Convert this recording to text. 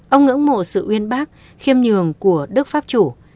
ông ngưỡng mộ sự uyên bác khiêm nhường của đức pháp chủ